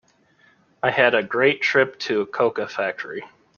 I had a great trip to a cocoa factory.